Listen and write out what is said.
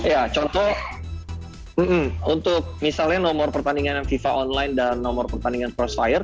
ya contoh untuk misalnya nomor pertandingan fifa online dan nomor pertandingan crossfire